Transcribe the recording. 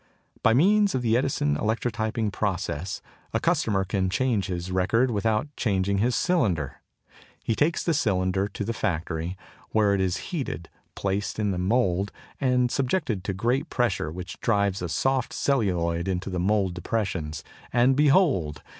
By means of the Edison electrotyping process a customer can change his record without changing his cylinder. He takes the cylinder to the factory, where it is heated, placed in the mould, and subjected to great pressure which drives the soft celluloid into the mould depressions; and behold!